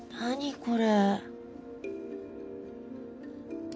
これ。